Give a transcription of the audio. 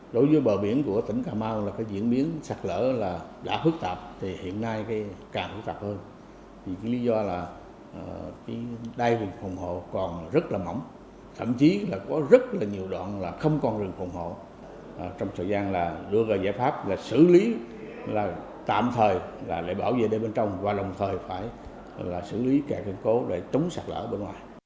đối với bờ biển của tỉnh cà mau diễn biến sạc lỡ đã phức tạp hiện nay càng phức tạp hơn